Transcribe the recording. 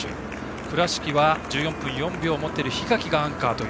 倉敷は１４分４秒を持っている檜垣がアンカー。